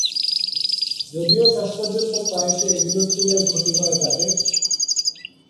যদিও শেষ পর্যন্ত প্রায়শই এগুলি চুলের ক্ষতি করে থাকে।